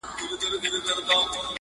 د دوی په شعر کې قهوه تر لاس نیول